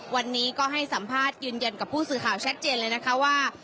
วันนี้ก็ให้สัมภาษณ์ยืนยันกับผู้สื่อข่าวชัดเจนเลยนะคะว่า